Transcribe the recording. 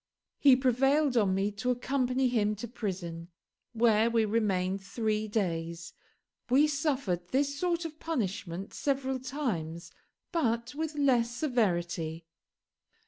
He prevailed on me to accompany him to prison, where we remained three days. We suffered this sort of punishment several times, but with less severity.